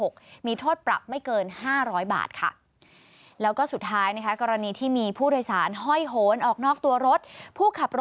โดนไปเต็มหลายกระทงนะค่ะ